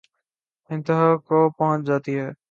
انتہا کو پہنچ جاتی ہے